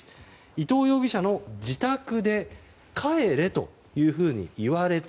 伊藤容疑者の自宅で帰れというふうに言われた。